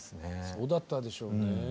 そうだったでしょうね。